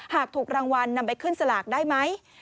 ถูกรางวัลนำไปขึ้นสลากได้ไหม